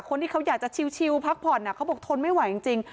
คนที่เขาอยากจะชิวพักผ่อนเขาบอกทนไม่ไหวจริง